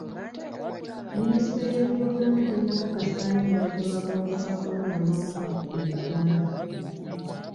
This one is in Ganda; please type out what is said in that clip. Minisitule y'ebyobulamu tennakakasayo mulwadde w'akawuka ka kolona n'omu mu Uganda.